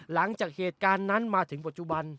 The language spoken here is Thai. หลังจากเหตุการณ์นั้นมาถึงปัจจุบัน